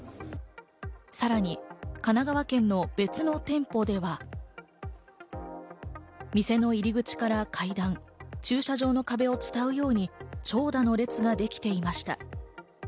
さらに神奈川県の別の店舗では、店の入り口から階段、駐車場の壁をつたうように長蛇の列ができていました。